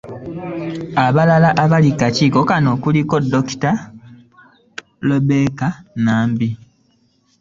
Abalala abali ku kakiiko kano kuliko; Dokita Rebecca Nambi